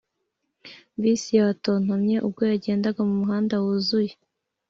bisi yatontomye ubwo yagendaga mu muhanda wuzuye.